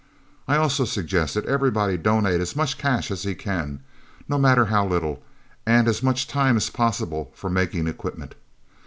I also suggest that everybody donate as much cash as he can, no matter how little, and as much time as possible for making equipment.